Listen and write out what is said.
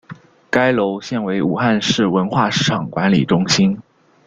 该楼现为武汉市文化市场管理中心。